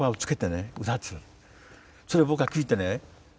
それを僕は聴いてね